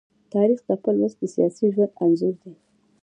تاریخ د خپل ولس د سیاسي ژوند انځور دی.